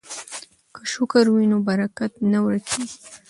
که شکر وي نو برکت نه ورکیږي.